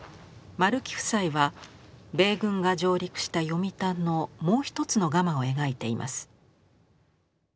丸木夫妻は米軍が上陸した読谷のもう一つのガマを描いています。